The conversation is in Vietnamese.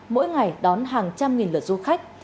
mỗi ngày đón hàng trăm nghìn lượt du khách